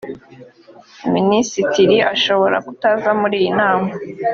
minisitiri ashobora kutaza muri iyi nama